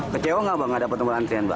kecewa gak mbak gak dapat nomor antrian mbak